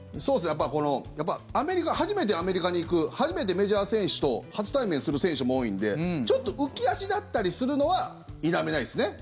やっぱり初めてアメリカに行く初めてメジャー選手と初対面する選手も多いんでちょっと浮足立ったりするのは否めないですね。